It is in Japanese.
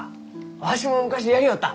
わしも昔やりよった！